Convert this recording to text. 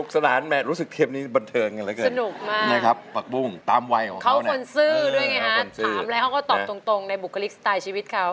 ถามแล้วเขาก็ตอบตรงในบุคลิกสไตล์ชีวิตเขา